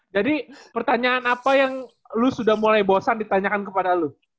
jadi pertanyaan apa yang lu sudah mulai bosan ditanyakan kepada lu